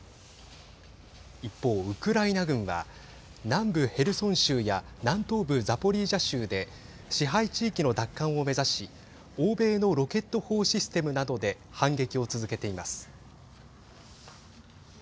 一方、ウクライナ軍は南部ヘルソン州や南東部ザポリージャ州で支配地域の奪還を目指し欧米のロケット砲システムなどで反撃を続けています。